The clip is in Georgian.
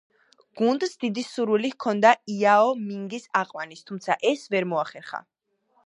გუნდს დიდი სურვილი ჰქონდა იაო მინგის აყვანის, თუმცა ეს ვერ მოახერხა.